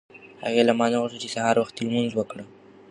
هغې له ما نه وغوښتل چې سهار وختي لمونځ وکړه.